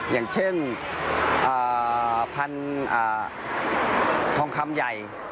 อย่างเช่นพันธุ์ทองคำใหญ่